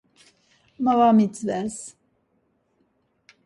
Ma var mitzves.